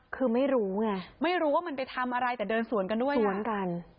คือไม่รู้ไงไม่รู้ว่ามันไปทำอะไรแต่เดินสวนกันด้วยสวนกัน